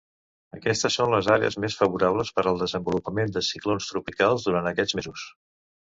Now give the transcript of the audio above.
Aquestes són les àrees més favorables per al desenvolupament de ciclons tropicals durant aquests mesos.